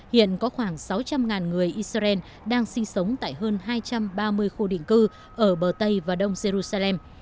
hiện có khoảng sáu trăm linh người israel đang sinh sống tại hơn hai trăm ba mươi khu định cư ở bờ tây và đông jerusalem